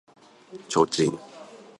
提灯